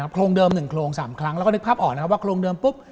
โครงเดิม๑โครง๓ครั้งแล้วก็นึกภาพออกนะครับว่าโครงเดิมปุ๊บ